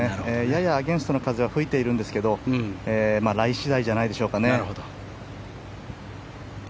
ややアゲンストの風は吹いてるんですけどライ次第じゃないでしょうかね。